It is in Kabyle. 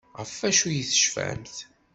Ɣef wacu ay tecfamt?